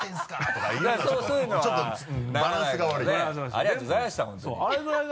ありがとうございました本当に。